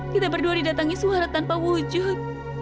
kita berdua didatangi suara tanpa wujud